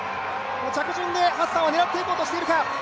着順でハッサンは狙っていこうとしているか。